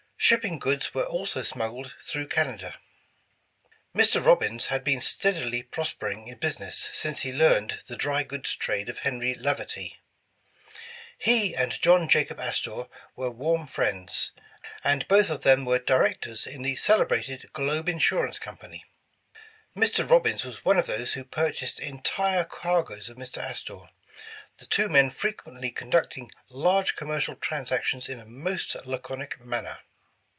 Shipping goods were also smuggled through Canada. Mr. Robbins had been steadily prospering in business since he learned the dry goods trade of Henry Laverty. He and John Jacob Astor were warm friends, and both of them were directors in the celebrated Globe Insur 229 The Original John Jacob Astor ance Company. Mr. Robbins was one of those who purchased entire cargoes of Mr. Astor, the two men fre quently^ conducting large commercial transactions in a most laconic manner.